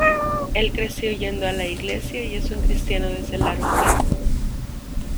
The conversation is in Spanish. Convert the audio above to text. El creció yendo a la iglesia y es un cristiano desde largo tiempo.